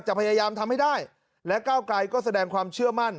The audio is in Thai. พยายามทำให้ได้และก้าวไกลก็แสดงความเชื่อมั่น